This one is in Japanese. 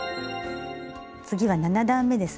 次は７段めですね。